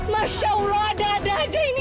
masya allah ada ada aja ini